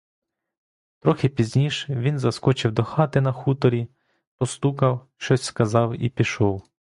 Трохи пізніш він заскочив до хати на хуторі, постукав, щось сказав і пішов.